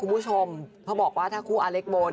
เพราะบอกว่าถ้าคู่อาเล็กโบ